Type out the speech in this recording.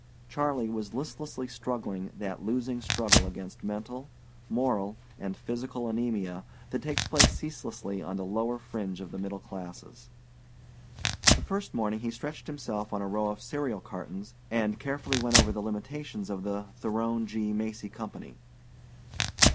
Charley was listlessly struggling that losing struggle against mental, moral, and physical anæmia that takes place ceaselessly on the lower fringe of the middle classes. The first morning he stretched himself on a row of cereal cartons and carefully went over the limitations of the Theron G. Macy Company.